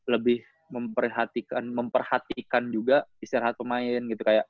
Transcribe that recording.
lebih memperhatikan juga istirahat pemain